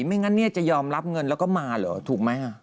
ไม่งั้นเนี่ยจะยอมรับเงินแล้วก็มาเหรอถูกไหม